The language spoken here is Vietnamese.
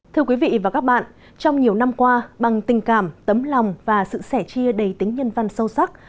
thưa quý vị và các bạn trong nhiều năm qua bằng tình cảm tấm lòng và sự sẻ chia đầy tính nhân văn sâu sắc